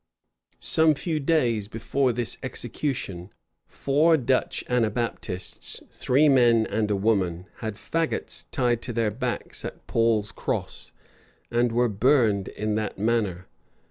[] Some few days before this execution, four Dutch Anabaptists, three men and a woman, had fagots tied to their backs at Paul's Cross, and were burned in that manner.